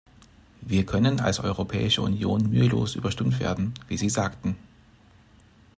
Wir können als Europäische Union mühelos überstimmt werden, wie Sie sagten.